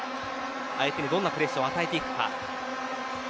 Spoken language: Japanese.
相手にどんなプレッシャーを与えていくか。